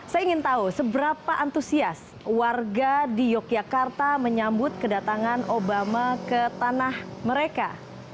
saya ingin tahu seberapa antusias warga di yogyakarta menyambut kedatangan obama ke tanah mereka